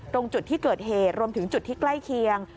ตรงจุดที่เกิดเหตุรวมถึงจุดที่ใกล้เคียง